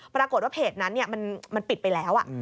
ปรากฏว่าเพจนั้นมันปิดไปแล้ว